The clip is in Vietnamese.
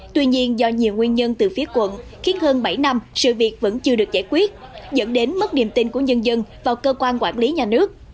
tuy nhiên do nhiều nguyên nhân từ phía quận khiến hơn bảy năm sự việc vẫn chưa được giải quyết dẫn đến mất niềm tin của nhân dân vào cơ quan quản lý nhà nước